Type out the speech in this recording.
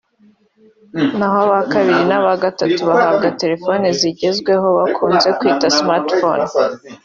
naho aba kabiri n’aba gatatu bahabwa terefone zigezweho bakunze kwita smart phone